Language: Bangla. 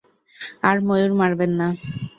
আর ময়ূর মারবেন না।